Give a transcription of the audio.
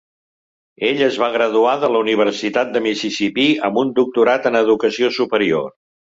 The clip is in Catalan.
Ell es va graduar de la Universitat de Mississipí amb un doctorat en educació superior.